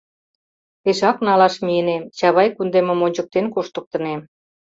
Пешак налаш мийынем, Чавай кундемым ончыктен коштыктынем...